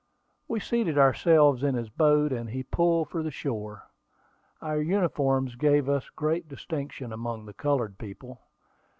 We seated ourselves in his boat, and he pulled for the shore. Our uniforms gave us great distinction among the colored people.